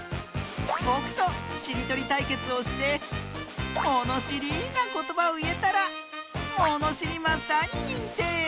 ぼくとしりとりたいけつをしてものしりなことばをいえたらものしりマスターににんてい！